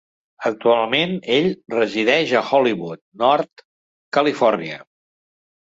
Actualment ell resideix a Hollywood Nord, Califòrnia.